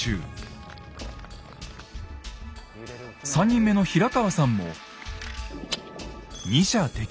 ３人目の平川さんも。